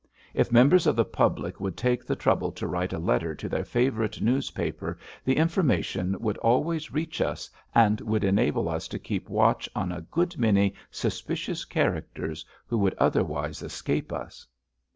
If members of the public would take the trouble to write a letter to their favourite newspaper the information would always reach us, and would enable us to keep watch on a good many suspicious characters who would otherwise escape us."